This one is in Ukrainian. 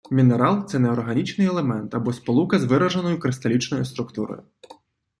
Мінерал - це неорганічний елемент, або сполука з вираженою кристалічною структурою